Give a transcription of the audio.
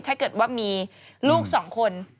ถ้าเกิดว่ามีลูกสองคน